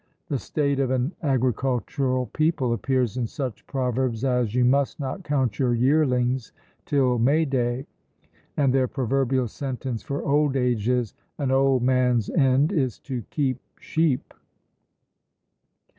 The state of an agricultural people appears in such proverbs as "You must not count your yearlings till May day:" and their proverbial sentence for old age is, "An old man's end is to keep sheep?"